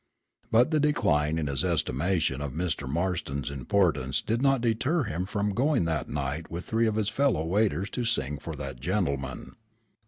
But the decline in his estimation of Mr. Marston's importance did not deter him from going that night with three of his fellow waiters to sing for that gentleman.